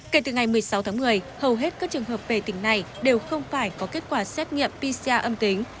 kể từ ngày một mươi sáu tháng một mươi hầu hết các trường hợp về tỉnh này đều không phải có kết quả xét nghiệm pcr âm tính